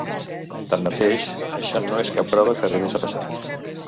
Tanmateix, això no és cap prova que arribés a passar.